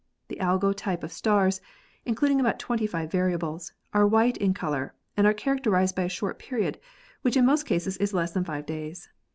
The Algol type of stars, including about 25 variables, are white in color and are characterized by a short period, which in most cases is less than five days.